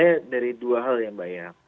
saya dari dua hal ya mbak ya